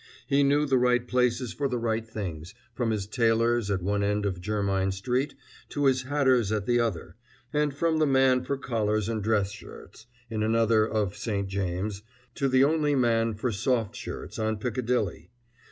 He knew the right places for the right things, from his tailor's at one end of Jermyn Street to his hatter's at the other, and from the man for collars and dress shirts, in another of St. James', to the only man for soft shirts, on Piccadilly.